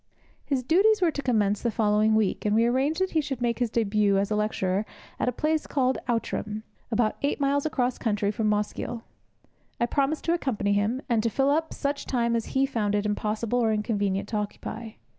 His duties were to commence the following week, and we arranged that he should make his debut as a lecturer at a place called Outram, about eight miles across country from Mosgiel. I promised to accompany him, and to fill up such time as he found it impossible or inconvenient to occupy.